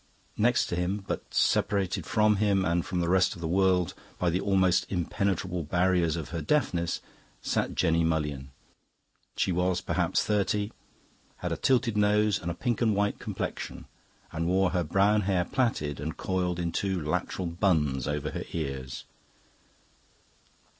Next him, but separated from him and from the rest of the world by the almost impenetrable barriers of her deafness, sat Jenny Mullion. She was perhaps thirty, had a tilted nose and a pink and white complexion, and wore her brown hair plaited and coiled in two lateral buns over her ears.